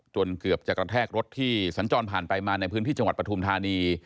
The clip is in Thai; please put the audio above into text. เกือบจะกระแทกรถที่สัญจรผ่านไปมาในพื้นที่จังหวัดปฐุมธานี